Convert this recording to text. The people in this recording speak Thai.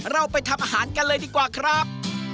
เราไปทำอาหารกันเลยดีกว่าครับ